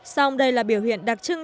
song đây là biểu hiện đặc trưng